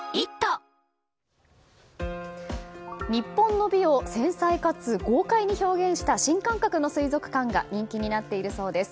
日本の美を繊細かつ豪快に表現した新感覚の水族館が人気になっているようです。